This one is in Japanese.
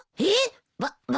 えっ？